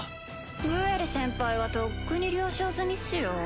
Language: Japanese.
グエル先輩はとっくに了承済みっすよ。